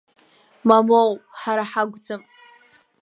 Мамоу, ҳара ҳакәӡам.